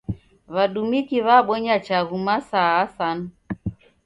W'adumiki w'abonya chaghu masaa asanu.